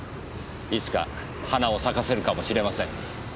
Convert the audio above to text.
いつか花を咲かせるかもしれません。